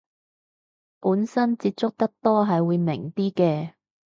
本身接觸得多係會明啲嘅